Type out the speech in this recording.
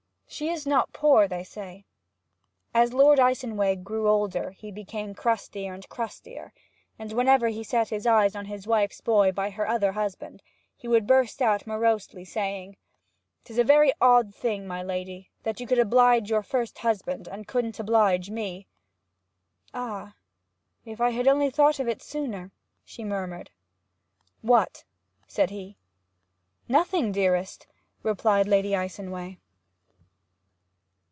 'She is not poor, they say.' As Lord Icenway grew older he became crustier and crustier, and whenever he set eyes on his wife's boy by her other husband he would burst out morosely, saying, ''Tis a very odd thing, my lady, that you could oblige your first husband, and couldn't oblige me.' 'Ah! if I had only thought of it sooner!' she murmured. 'What?' said he. 'Nothing, dearest,' replied Lady Icenway.